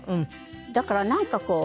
だからなんかこう。